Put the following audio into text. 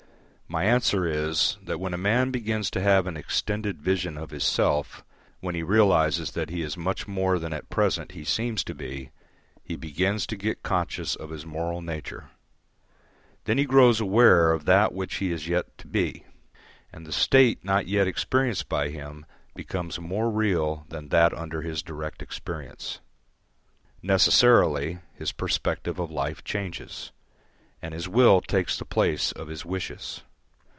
My answer is, that when a man begins to have an extended vision of his self, when he realises that he is much more than at present he seems to be, he begins to get conscious of his moral nature. Then he grows aware of that which he is yet to be, and the state not yet experienced by him becomes more real than that under his direct experience. Necessarily, his perspective of life changes, and his will takes the place of his wishes.